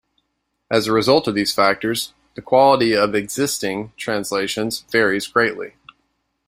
As a result of these factors, the quality of existing translations varies greatly.